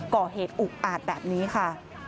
ก่อเหตุอุกอาจแบบนี้ค่ะ